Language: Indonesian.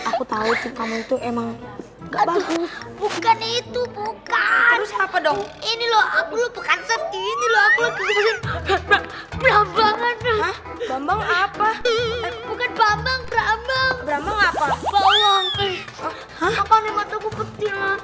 aku tahu kamu itu emang nggak bagus bukan itu bukan apa dong ini loh aku bukan setiap